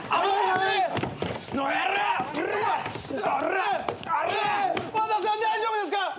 和田さん大丈夫ですか？